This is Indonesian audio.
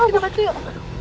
kita berhenti yuk